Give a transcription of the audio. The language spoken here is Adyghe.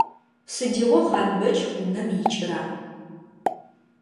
Сыдигъо Хъанбэч унэм икӏыра?